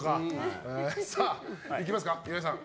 さあ、いきますか、岩井さん。